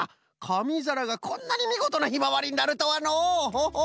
かみざらがこんなにみごとなヒマワリになるとはのう！